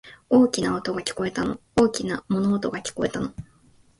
大きな音が、聞こえたの。大きな物音が、聞こえたの。